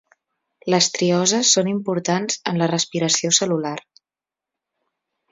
Les trioses són importants en la respiració cel·lular.